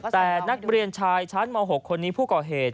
แต่นักเรียนชายชั้นม๖คนนี้ผู้ก่อเหตุ